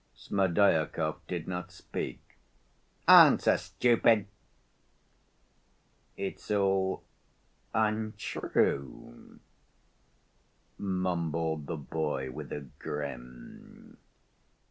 Smerdyakov did not speak. "Answer, stupid!" "It's all untrue," mumbled the boy, with a grin.